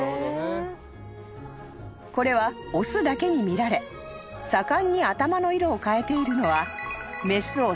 ［これは雄だけに見られ盛んに頭の色を変えているのは］